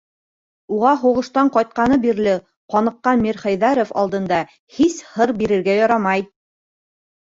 Уға һуғыштан ҡайтканы бирле ҡаныҡҡан Мирхәйҙәров алдында һис һыр бирергә ярамай.